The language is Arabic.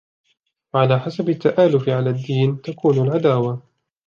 وَعَلَى حَسَبِ التَّآلُفِ عَلَى الدِّينِ تَكُونُ الْعَدَاوَةُ